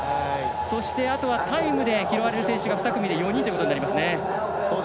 そして、あとはタイムで拾われる選手が２組で４人ということになりますね。